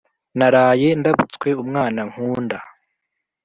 naraye ndabutswe umwana nkunda